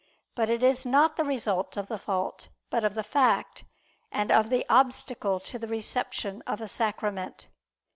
But it is not the result of the fault, but of the fact, and of the obstacle to the reception of a sacrament.